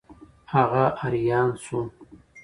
هغه آریان شو.